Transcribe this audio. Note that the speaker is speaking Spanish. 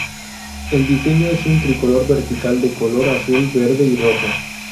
El diseño es un tricolor vertical de color azul, verde y rojo.